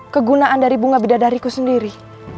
kegunaan dari bunga bidadariku sendiri